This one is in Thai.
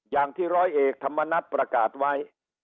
อย่างที่ร้อยเอกธรรมนัฏประกาศไว้